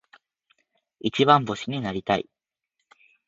一番星になりたい。